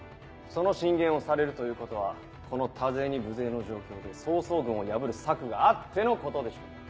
その進言をされるということはこの多勢に無勢の状況で曹操軍を破る策があってのことでしょう。